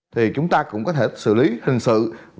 thì chúng ta cũng có thể xử lý hình sự